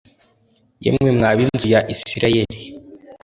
yemwe mwa b inzu ya Isirayeli